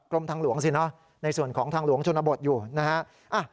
ทางหลวงสิเนอะในส่วนของทางหลวงชนบทอยู่นะฮะ